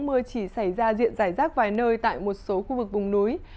mưa chỉ xảy ra diện giải rác vài nơi tại một số khu vực vùng núi